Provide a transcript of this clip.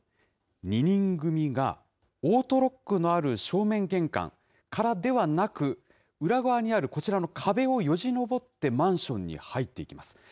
２人組が、オートロックのある正面玄関からではなく、裏側にある、こちらの壁をよじ登って、マンションに入っていきます。